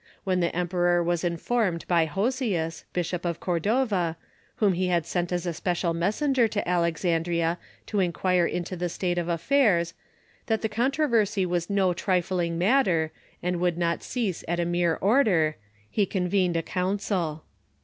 When the emperor was informed by Hosius, Bishop of Cordova, whom he had sent as a special messenger to Alexandria to inquire into the state of affairs, that the controversy was no trifling matter, and would not cease at a mere order, he convened a council.